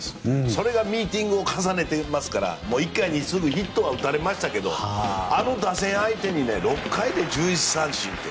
それがミーティングを重ねてますから１回にすぐヒットは打たれましたがあの相手打線に６回に１１奪三振って。